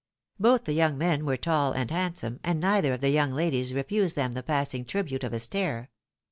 Both the young men were tall and handsome, and neither of the young ladies refused them the passing tribute of a stare.